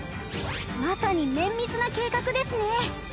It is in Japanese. まさに綿密な計画ですね。